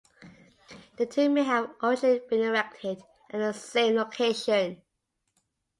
The two may have originally been erected at the same location.